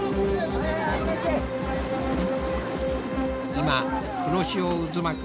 今黒潮渦巻く